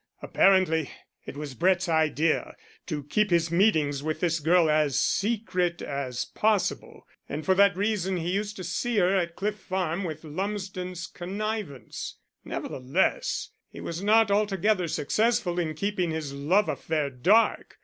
Apparently it was Brett's idea to keep his meetings with this girl as secret as possible, and for that reason he used to see her at Cliff Farm with Lumsden's connivance. Nevertheless, he was not altogether successful in keeping his love affair dark.